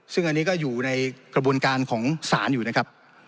ซึ่งอันนี้ก็อยู่ในกระบวนการของศาลอยู่นะครับ